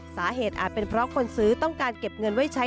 อาจเป็นเพราะคนซื้อต้องการเก็บเงินไว้ใช้